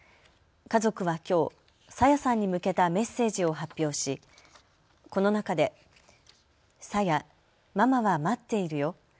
家族はきょう朝芽さんに向けたメッセージを発表し、この中でさや、ママは待っているよ。